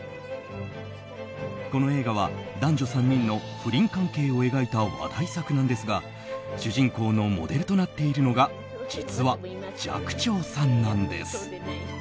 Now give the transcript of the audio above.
この映画は男女３人の不倫関係を描いた話題作なんですが主人公のモデルとなっているのが実は、寂聴さんなんです。